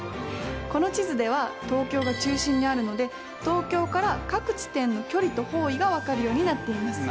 この地図では東京が中心にあるので東京から各地点の距離と方位が分かるようになっています。